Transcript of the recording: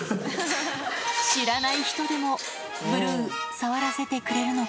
知らない人でも、ブルー、触らせてくれるのか。